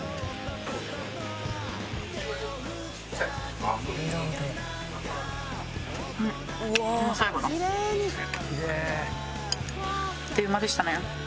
あっという間でしたね。